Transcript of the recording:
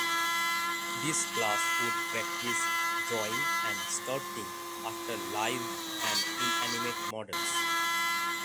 This class would practice drawing and sculpting after live and inanimate models.